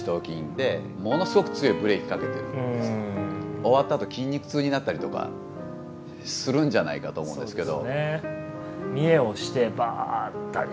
終わったあと筋肉痛になったりとかするんじゃないかと思うんですけど。